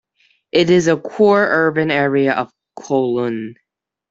It is the core urban area of Kowloon.